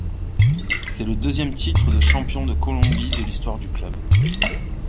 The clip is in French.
C'est le deuxième titre de champion de Colombie de l'histoire du club.